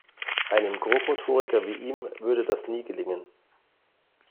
Einem Grobmotoriker wie ihm würde das nie gelingen.